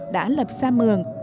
đã lập sa mường